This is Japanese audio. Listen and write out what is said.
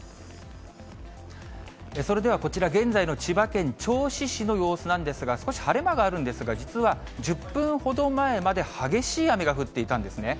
それではこちら、現在の千葉県銚子市の様子なんですが、少し晴れ間があるんですが、実は１０分ほど前まで激しい雨が降っていたんですね。